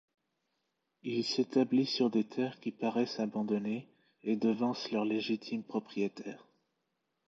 Il s'établit sur des terres qui paraissent abandonnées, et devance leurs légitimes propriétaires.